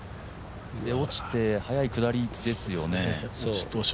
落ちて速い下りですよね。